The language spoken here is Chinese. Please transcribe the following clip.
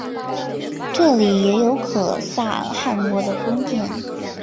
这里也有可萨汗国的宫殿。